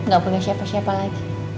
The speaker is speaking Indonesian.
gak punya siapa siapa lagi